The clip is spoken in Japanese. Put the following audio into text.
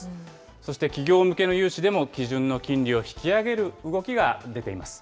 そして企業向けの融資でも基準の金利を引き上げる動きが出ています。